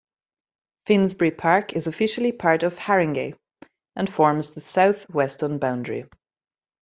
Finsbury Park is officially part of Harringay and forms the south western boundary.